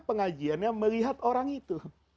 pengajiannya melihat orang itu